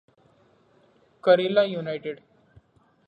Karela United